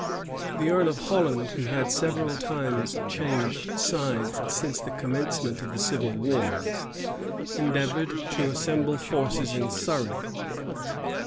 The earl of Holland, who had several times changed sides since the commencement of the civil wars, endeavored to assemble forces in Surrey.